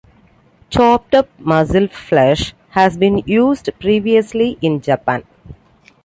Chopped up mussel flesh has been used previously in Japan.